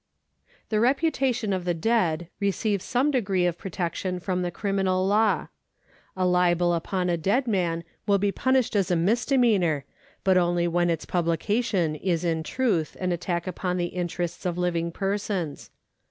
The reputation of the dead receives some degree of pro tection from the criminal law. A Hbel upon a dead man will be punished as a misdemeanour — but only when its publication is in truth an attack upon the interests of Uving persons.